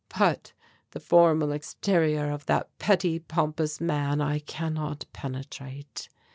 But the formal exterior of that petty pompous man I cannot penetrate.